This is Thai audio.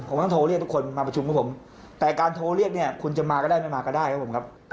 ผมต้องโทรเรียกทุกคนมาประชุมกับผมแต่การโทรเรียกเนี่ยคุณจะมาก็ได้ไม่มาก็ได้ครับผมครับ